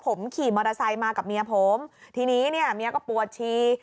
ผมขี่มอเตอร์ไซค์มากับเมียผมทีนี้เนี่ยเมียก็ปวดชี